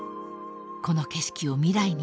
［この景色を未来につなぐ］